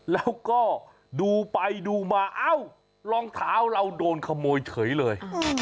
แล้วก็ดูไปดูมาเอ้ารองเท้าเราโดนขโมยเฉยเลย